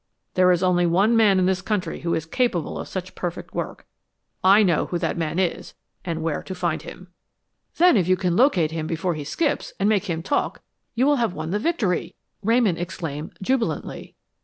There is only one man in this country who is capable of such perfect work. I know who that man is and where to find him." "Then if you can locate him before he skips, and make him talk, you will have won the victory," Ramon exclaimed, jubilantly.